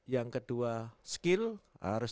yang kedua skill harus